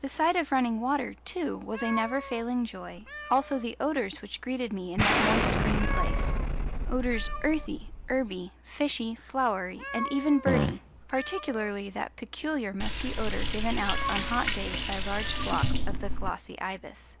The sight of running water, too, was a never failing joy, also the odours which greeted me in that moist green place odours earthy, herby, fishy, flowery, and even birdy, particularly that peculiar musky odour given out on hot days by large flocks of the glossy ibis.